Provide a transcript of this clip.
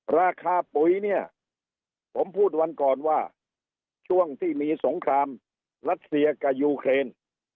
ราคาปุ๋ยเนี่ยผมพูดวันก่อนว่าช่วงที่มีสงครามรัสเซียกับยูเครน